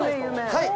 はい！